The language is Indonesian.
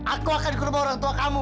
aku akan dikurubah orang tua kamu